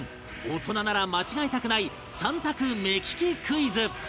大人なら間違えたくない３択目利きクイズ